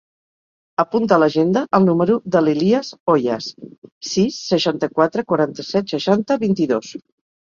Apunta a l'agenda el número de l'Elías Hoyas: sis, seixanta-quatre, quaranta-set, seixanta, vint-i-dos.